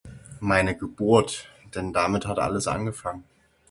Meine Geburt, denn damit hat alles angefangen.